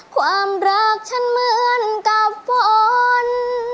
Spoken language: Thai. ความรักฉันเหมือนกับฝน